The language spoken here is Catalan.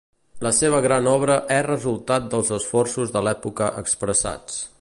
La seva gran obra és resultat dels esforços de l'època expressats.